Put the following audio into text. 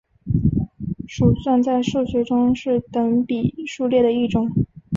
鼠算在数学中是等比数列的一种。